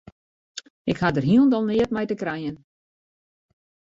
Ik ha dêr hielendal neat mei te krijen.